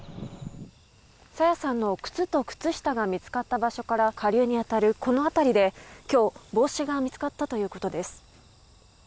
朝芽さんの靴と靴下が見つかった場所から下流に当たるこの辺りで今日、帽子が見つかったということです。